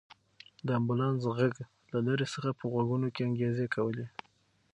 د امبولانس غږ له لرې څخه په غوږونو کې انګازې کولې.